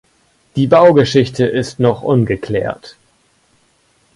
Die Baugeschichte ist noch ungeklärt.